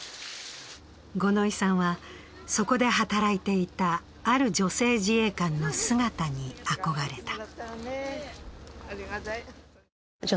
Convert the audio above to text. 五ノ井さんは、そこで働いていたある女性自衛官の姿に憧れた。